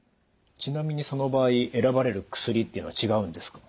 ちなみにその場合選ばれる薬というのは違うんですか？